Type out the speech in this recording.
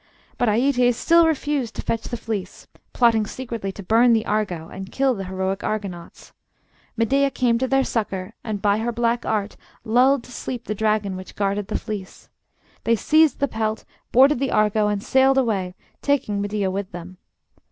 But Æetes still refused to fetch the fleece, plotting secretly to burn the Argo and kill the heroic Argonauts. Medea came to their succor, and by her black art lulled to sleep the dragon which guarded the fleece. They seized the pelt, boarded the Argo, and sailed away, taking Medea with them.